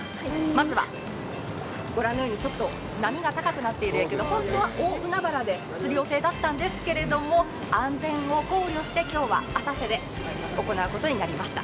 まずはご覧のようにちょっと波が高くなっていまして本当は大海原でする予定だったんですけれども安全を考慮して今日は浅瀬で行うことになりました。